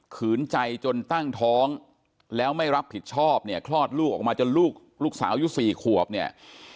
ขืนใจจนตั้งท้องแล้วไม่รับผิดชอบเนี่ยคลอดลูกออกมาจนลูกลูกสาวอายุ๔ขวบเนี่ย